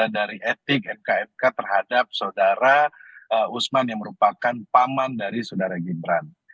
dari etik mk mk terhadap saudara usman yang merupakan paman dari saudara gibran